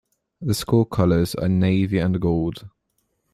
The school colors are navy and gold.